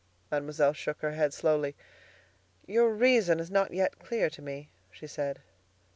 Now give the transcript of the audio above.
Mademoiselle shook her head slowly. "Your reason is not yet clear to me," she said.